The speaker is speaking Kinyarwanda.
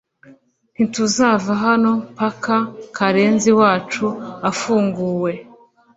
ntituzava hano mpaka Karenzi wacu afunguwe